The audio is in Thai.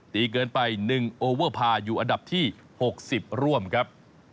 ดีเกินไป๑โอเวอร์พาร์อยู่อันดับที่๖๐ร่วมครับ